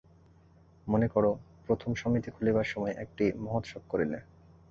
মনে কর, প্রথম সমিতি খুলিবার সময় একটি মহোৎসব করিলে।